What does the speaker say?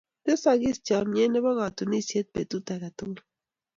tesakis chamyet Nebo katunisiet betut age tugul